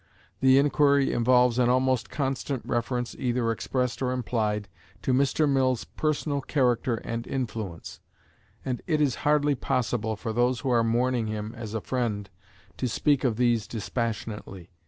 The inquiry involves an almost constant reference, either expressed or implied, to Mr. Mill's personal character and influence, and it is hardly possible for those who are mourning him as a friend to speak of these dispassionately.